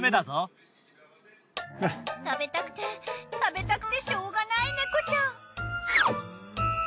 食べたくて食べたくてしようがない猫ちゃん。